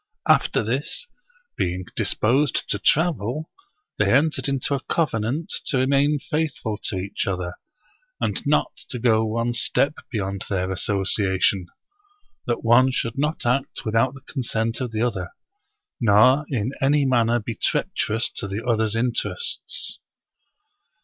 After this, being disposed to travel, they entered into a covenant to remain faithful to each other, and not to go one step beyond their association — ^that one should not act without the consent of the other, nor in any manner be treacherous to the other's interests.